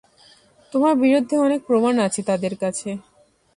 তোমার বিরুদ্ধে অনেক প্রমাণ আছে তাদের কাছে।